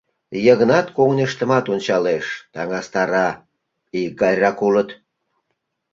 Йыгнат когыньыштымат ончалеш, таҥастара: икгайрак улыт.